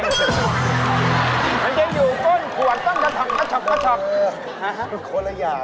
มันจะอยู่ก้นขวดตั้งแต่ถักถักถักถัก